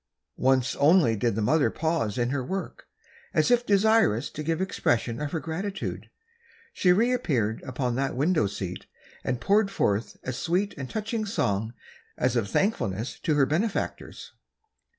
Once only did the mother pause in her work—as if desirous to give expression to her gratitude, she reappeared upon the window seat, and poured forth a sweet and touching song, as of thankfulness to her benefactors.